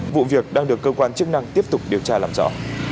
vụ việc đang được cơ quan chức năng tiếp tục điều tra làm rõ